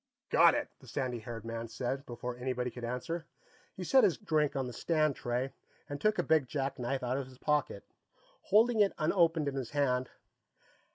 "Got it!" the sandy haired man said, before anybody could answer. He set his drink on the stand tray and took a big jackknife out of his pocket, holding it unopened in his hand.